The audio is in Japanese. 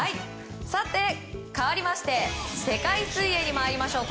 かわりまして世界水泳に参りましょう。